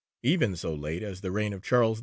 Even so late as the reign of Charles II.